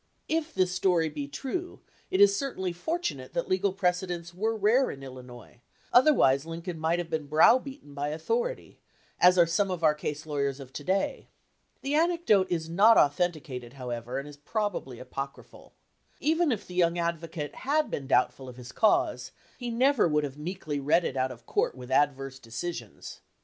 1 If this story be true, it is certainly fortunate that legal precedents were rare in Illinois, other wise Lincoln might have been browbeaten by authority, as are some of our case lawyers of to day. The anecdote is not authenticated, how ever, and it is probably apocryphal. Even if the young advocate had been doubtful of his cause, he never would have meekly read it out of court with adverse decisions.